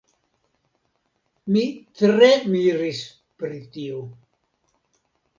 Mi tre miris pri tio.